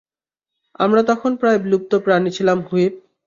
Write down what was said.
আমরা তখন প্রায় বিলুপ্ত প্রাণী ছিলাম, হুইপ।